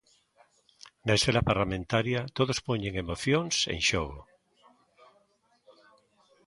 Na escena parlamentaria todos poñen emocións en xogo.